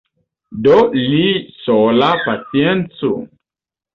Do li sola paciencu!